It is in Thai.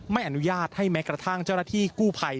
ไม่อนุญาตให้แม้กระทั่งเจ้าหน้าที่กู้ภัย